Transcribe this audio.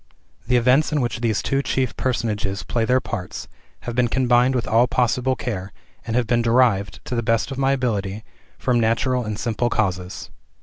The events in which these two chief personages play their parts have been combined with all possible care, and have been derived, to the best of my ability, from natural and simple causes.